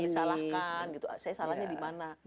saya salahnya dimana